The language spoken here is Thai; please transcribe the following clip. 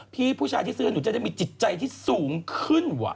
พี่ผู้ชายที่ซื้อหนูจะได้มีจิตใจที่สูงขึ้นว่ะ